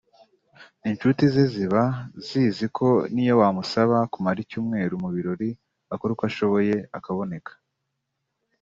inshuti ze ziba zizi ko n’iyo wamusaba kumara icyumweru mu birori akora uko ashoboye akaboneka